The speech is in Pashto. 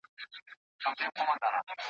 د ورځي په رڼا کي ګرځي `